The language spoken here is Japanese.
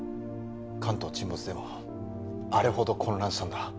関東沈没でもあれほど混乱したんだ